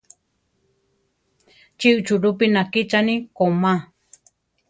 Chi uchulúpi nakíchani komá?